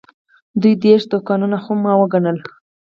دوه دېرش دوکانونه خو ما وګڼل.